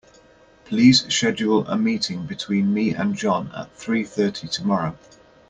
Please schedule a meeting between me and John at three thirty tomorrow.